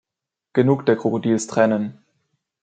Genug der Krokodilstränen!